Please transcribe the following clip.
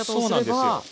そうなんですよ。